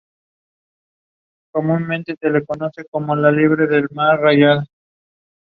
Yako was assigned to the Portfolio Committee on Mineral Resources.